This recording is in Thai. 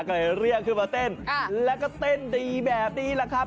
ก็เลยเรียกขึ้นมาเต้นแล้วก็เต้นดีแบบนี้แหละครับ